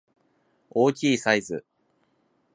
大きいサイズ